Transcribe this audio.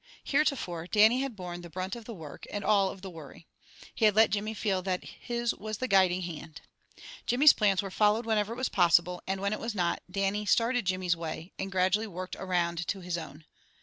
Heretofore, Dannie had borne the brunt of the work, and all of the worry. He had let Jimmy feel that his was the guiding hand. Jimmy's plans were followed whenever it was possible, and when it was not, Dannie started Jimmy's way, and gradually worked around to his own.